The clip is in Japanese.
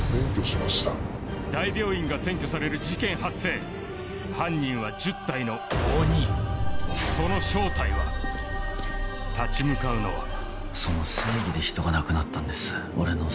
大病院が占拠される事件発生犯人は立ち向かうのはその正義で人が亡くなったんです俺の正義で。